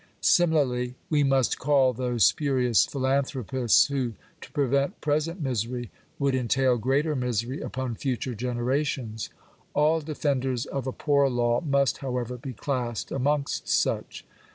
Similarly, we must call those spurious philanthropists, who, to prevent present misery, would entail greater misery upon future generations. All defenders of a poor law must, however, be classed amongst such.